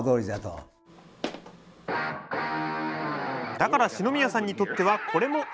だから四宮さんにとってはこれも阿波踊り。